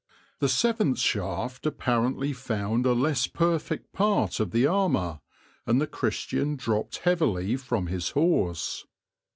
The seventh shaft apparently found a less perfect part of the armour, and the Christian dropped heavily from his horse.